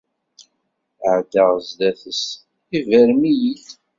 Ɛeddaɣ sdat-s, iberrem-iyi-d